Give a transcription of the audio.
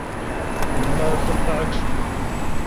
Mars Attacks!